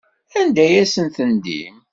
Anda ay asent-tendim?